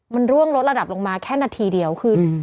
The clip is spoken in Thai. มันร่วงลดระดับลงมาแค่นาทีเดียวคือ